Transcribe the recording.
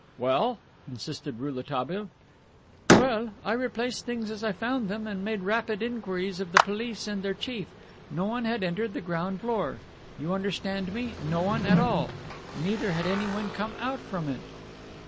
"Well?" insisted Rouletabille. "Well, I replaced things as I found them and made rapid inquiries of the police and their chief; no one had entered the ground floor. You understand me? no one at all. Neither had anyone come out from it."